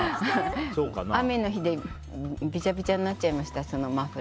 雨の日でびちゃびちゃになっちゃいました。